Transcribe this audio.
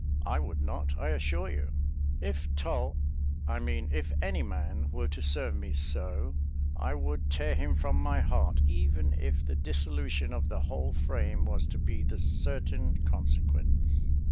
I would not, I assure you. If Tal , I mean if any man were to serve me so, I would tear him from my heart, even if the dissolution of the whole frame was to be the certain consequence.